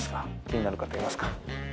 気になる方いますか？